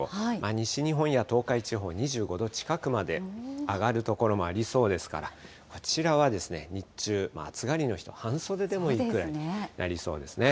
西日本や東海地方、２５度近くまで上がる所もありそうですから、こちらは日中、暑がりの人は半袖でもいいくらいになりそうですね。